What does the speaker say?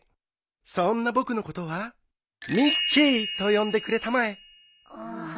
そんな僕のことはミッチーと呼んでくれたまえ。